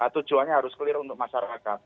tujuannya harus clear untuk masyarakat